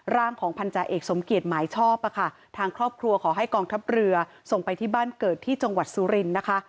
ร่างของพันธาเอกสมเกียจหมายชอบทางครอบครัวขอให้กองทัพเรือส่งไปที่บ้านเกิดที่จังหวัดสุรินทร์นะคะ